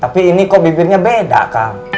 tapi ini kok bibirnya beda kang